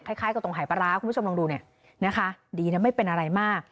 คล้ายกับตรงหายปลาร้าคุณผู้ชมลองดูเนี่ยนะคะดีนะไม่เป็นอะไรมาก